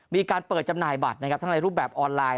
มีการเปิดจำหน่ายบัตรนะครับทั้งในรูปแบบออนไลน์